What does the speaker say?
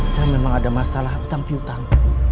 saya memang ada masalah hutang piutang